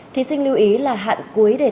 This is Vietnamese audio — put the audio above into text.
thí sinh lưu ý là hạn cuối đề nghị